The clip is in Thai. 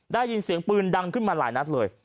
ได้ยินเสียงปืนดังขึ้นมาหลายนัดเลย